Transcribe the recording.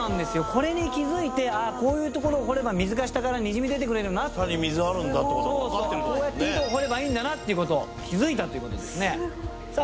これに気付いてあこういうところ掘れば水が下からにじみ出てくれるな下に水あるんだってことそうそうこうやって井戸を掘ればいいんだなってこと気付いたってことですねさあ